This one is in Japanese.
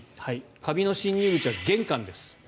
カビの侵入口は玄関です。